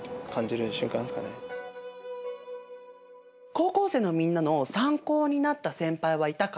高校生のみんなの参考になった先輩はいたかな？